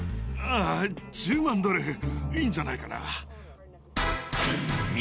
あぁ１０万ドルいいんじゃないかな。